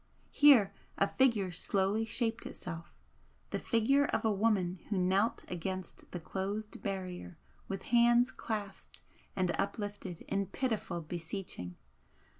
Here a figure slowly shaped itself, the figure of a woman who knelt against the closed barrier with hands clasped and uplifted in pitiful beseeching.